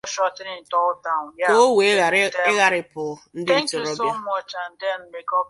ka o wee ghara ịgharịpụ ndị ntorobịa